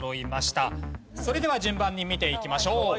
それでは順番に見ていきましょう。